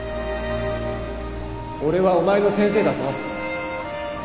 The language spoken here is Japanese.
俺はお前の先生だぞ